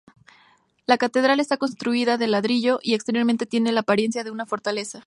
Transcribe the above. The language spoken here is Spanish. La catedral está construida en ladrillo y exteriormente tiene la apariencia de una fortaleza.